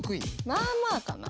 まあまあかな。